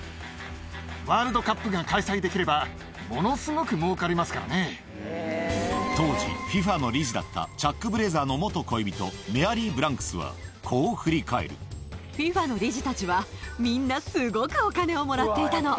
ワールドカップが開催できれば、当時、ＦＩＦＡの理事だったチャック・ブレーザーの元恋人、メアリー・ＦＩＦＡの理事たちは、みんなすごくお金をもらっていたの。